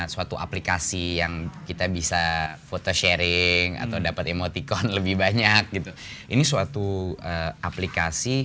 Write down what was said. suatu aplikasi yang kita bisa foto sharing atau dapat emoticon lebih banyak gitu ini suatu aplikasi